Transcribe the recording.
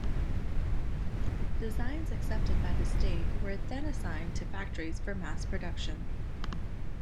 Designs accepted by the state were then assigned to factories for mass production.